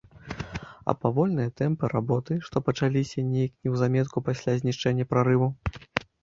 А павольныя тэмпы работы, што пачаліся нейк неўзаметку пасля знішчэння прарыву?